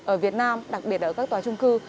ở việt nam đặc biệt ở các tòa trung cư